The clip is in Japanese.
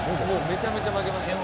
めちゃめちゃ負けました。